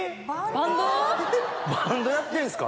バンドやってるんですか。